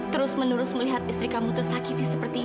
terus menerus melihat istri kamu tersakiti seperti ini